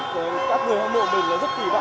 cho dù thua hay thắng của đội tuyển việt nam